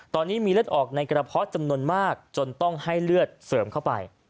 ตอนนี้มีเลือดออกในกระเพาะจำนวนมากจนต้องให้เลือดเสริมเข้าไป